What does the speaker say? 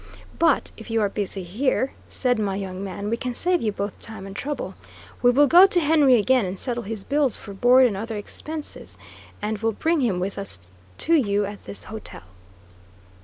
"But if you are busy here," said my young man, "we can save you both time and trouble. We will go to Henry again and settle his bills for board and other expenses, and will bring him with us to you at this hotel."